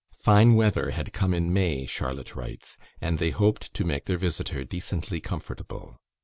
Fine weather had come in May, Charlotte writes, and they hoped to make their visitor decently comfortable.